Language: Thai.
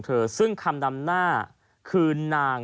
แต่เพิ่งจะมารู้นะ